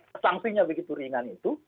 dan juga sanksinya begitu ringan itu